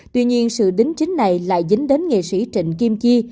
tuy nhiên sự đính chính này lại dính đến nghệ sĩ trịnh kim chi